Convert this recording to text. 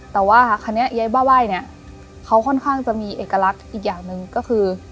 แต่ว่าคราวนี้ยายบ้าไหว้เนี่ยเขาค่อนข้างจะมีเอกลักษณ์อีกอย่างหนึ่งก็คือ